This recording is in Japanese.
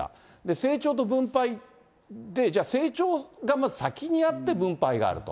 成長と分配で、じゃあ、成長が先にあって、分配があると。